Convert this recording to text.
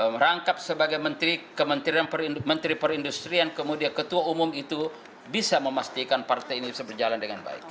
merangkap sebagai menteri perindustrian kemudian ketua umum itu bisa memastikan partai ini bisa berjalan dengan baik